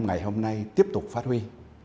ngày hôm nay tiếp tục phát huy